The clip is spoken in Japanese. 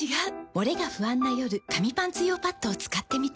モレが不安な夜紙パンツ用パッドを使ってみた。